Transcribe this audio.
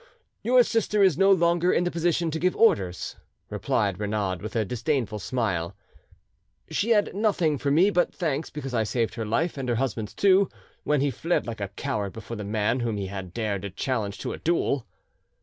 "Your sister is no longer in the position to give orders," replied Renaud, with a disdainful smile. "She had nothing for me but thanks because I saved her life, and her husband's too, when he fled like a coward before the man whom he had dared to challenge to a duel."